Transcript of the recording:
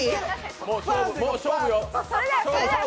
もう勝負よ。